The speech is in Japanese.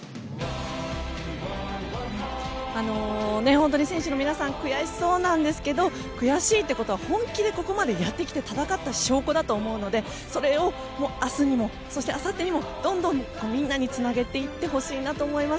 本当に選手の皆さん悔しそうなんですけど悔しいということは本気でここまでやってきて戦った証拠だと思うのでそれを、明日にもそしてあさってにもどんどんみんなにつなげていってほしいなと思います。